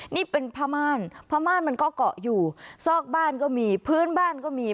นี่เป็นผ้าม่านผ้าม่านมันก็เกาะอยู่ซอกบ้านก็มีพื้นบ้านก็มี